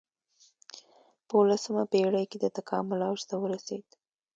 په اولسمه پېړۍ کې د تکامل اوج ته ورسېد.